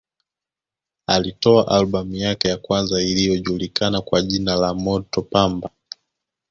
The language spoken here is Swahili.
Alitoa albamu yake ya kwanza iliyojulikana kwa jina la Moto Pamba